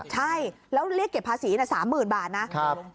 ใช่แล้วเรียกเก็บภาษีน่ะสามหมื่นบาทน่ะครับ